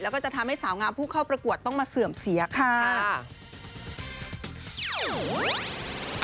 แล้วก็จะทำให้สาวงามผู้เข้าประกวดต้องมาเสื่อมเสียค่ะ